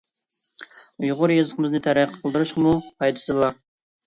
ئۇيغۇر يېزىقىمىزنى تەرەققىي قىلدۇرۇشقىمۇ پايدىسى بار.